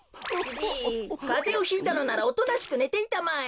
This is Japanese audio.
じいかぜをひいたのならおとなしくねていたまえ。